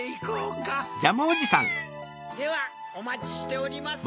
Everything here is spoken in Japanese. ではおまちしております。